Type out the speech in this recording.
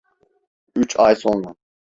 Üç ay sonra…